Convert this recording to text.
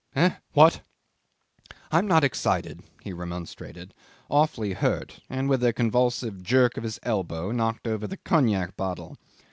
'"Eh? What? I am not excited," he remonstrated, awfully hurt, and with a convulsive jerk of his elbow knocked over the cognac bottle.